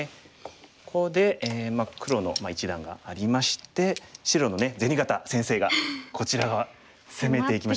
ここで黒の一団がありまして白のぜにがた先生がこちら側攻めていきました。